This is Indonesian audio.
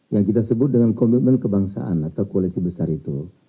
yang kita sebut dengan komitmen kebangsaan atau koalisi besar itu